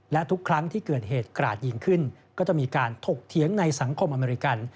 และทุกครั้งที่เกิดเหตุกราดยิงขึ้นก็จะมีการถกเถียงในสังคมอเมริกัน